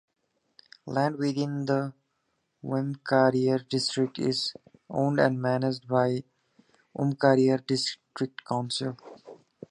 Land within the Waimakariri District is owned and managed by the Waimakariri District Council.